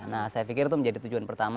nah saya pikir itu menjadi tujuan pertama